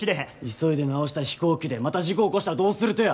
急いで直した飛行機でまた事故起こしたらどうするとや！